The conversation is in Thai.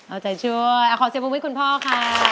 เอาใจช่วยขอเสียบให้คุณพ่อค่ะ